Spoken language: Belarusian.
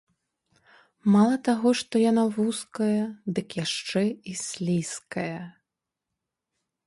Мала таго што яна вузкая, дык яшчэ і слізкая.